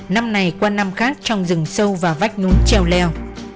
năm này qua năm khác trong rừng sâu và vách núi treo leo